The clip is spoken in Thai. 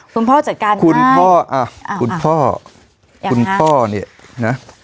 คุณพ่อจัดการคุณพ่ออ่ะคุณพ่อคุณพ่อเนี่ยนะ